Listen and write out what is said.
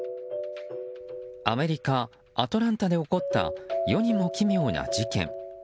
アメリカ・アトランタで起こった世にも奇妙な事件。